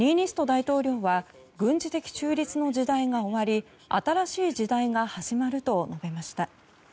大統領は軍事的中立の時代が終わり新しい時代が始まると述べました。